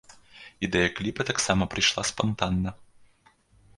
Ідэя кліпа таксама прыйшла спантанна.